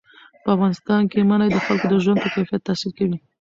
په افغانستان کې منی د خلکو د ژوند په کیفیت تاثیر کوي.